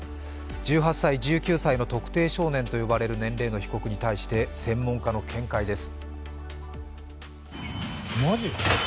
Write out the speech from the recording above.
１８歳、１９歳の特定少年と呼ばれる年齢の被告に関して専門家の見解です。